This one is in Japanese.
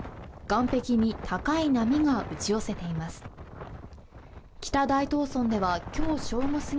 岸壁に、高い波が打ち寄せています。